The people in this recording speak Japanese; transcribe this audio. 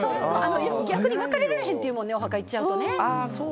逆に別れられへんって言うもんねお墓行っちゃうとね。